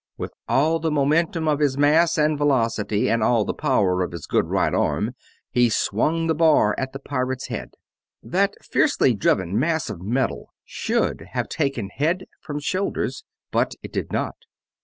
With all the momentum of his mass and velocity and all the power of his good right arm he swung the bar at the pirate's head. That fiercely driven mass of metal should have taken head from shoulders, but it did not.